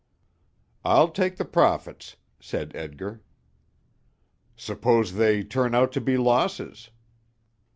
"I'll take the profits," said Edgar. "Suppose they turn out to be losses?"